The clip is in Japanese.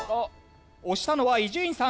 押したのは伊集院さん。